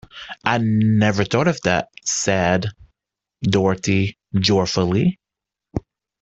I never thought of that! said Dorothy, joyfully.